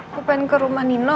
aku pengen ke rumah nino